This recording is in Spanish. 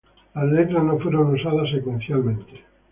Las letras no fueron usadas secuencialmente.